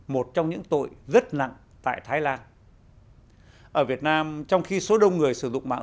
một trong những tội rất nặng tại thái lan ở việt nam trong khi số đông người sử dụng mạng